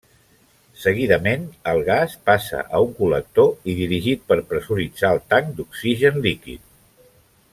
Seguidament, el gas passa a un col·lector i dirigit per pressuritzar el tanc d'oxigen líquid.